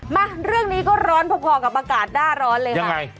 มาเรื่องนี้ก็ร้อนพอกับอากาศหน้าร้อนเลยค่ะ